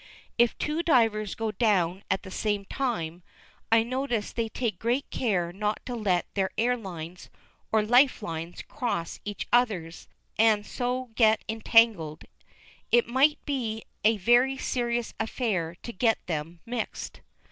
If two divers go down at the same time, I notice they take great care not to let their air lines or life lines cross each other's, and so get entangled. It might be a very serious affair to get them mixed.